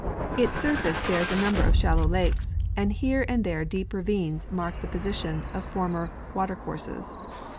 Its surface bears a number of shallow lakes ; and here and there deep ravines mark the posi tions of former watercourses.